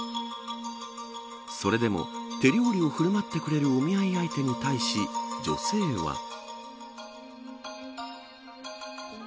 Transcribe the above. それでも手料理を振る舞ってくれるお見合い相手に対し、女性は。